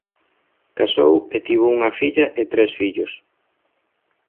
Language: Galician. Casou e tivo unha filla e tres fillos.